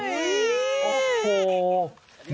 อีโอ้โห